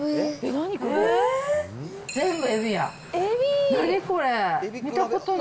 何これ？